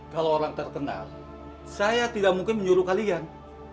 kalau orang terkenal saya tidak mungkin menyuruh kalian